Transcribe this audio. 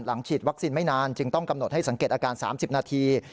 ฉีดวัคซีนไม่นานจึงต้องกำหนดให้สังเกตอาการ๓๐นาที